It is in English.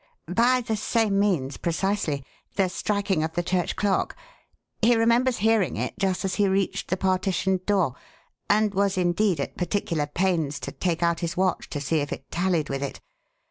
"By the same means precisely the striking of the church clock. He remembers hearing it just as he reached the partition door, and was, indeed, at particular pains to take out his watch to see if it tallied with it.